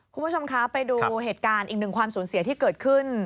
คุณผู้ชมคะไปดูเหตุการณ์อีกหนึ่งความสูญเสียที่เกิดขึ้น